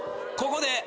ここで。